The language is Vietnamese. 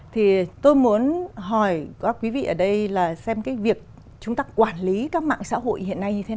thì tôi muốn hỏi các quý vị ở đây là xem cái việc chúng ta quản lý các mạng xã hội hiện nay như thế nào